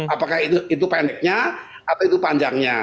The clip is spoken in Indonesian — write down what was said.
apakah itu pendeknya atau itu panjangnya